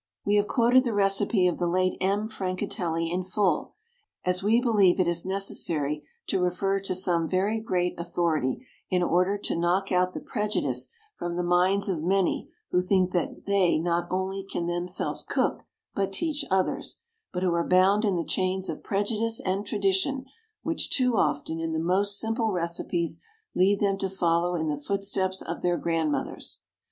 We have quoted the recipe of the late M. Francatelli in full, as we believe it is necessary to refer to some very great authority in order to knock out the prejudice from the minds of many who think that they not only can themselves cook, but teach others, but who are bound in the chains of prejudice and tradition which, too often, in the most simple recipes, lead them to follow in the footsteps of their grandmothers.